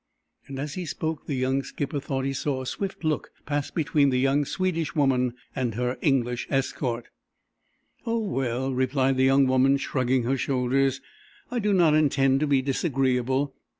As he spoke the young skipper thought he saw a swift look pass between the young Swedish woman and her English escort. "Oh, well," replied the young woman, shrugging her shoulders, "I do not intend to be disagreeable.